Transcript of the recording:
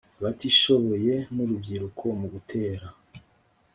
batishoboye n urubyiruko mu gutera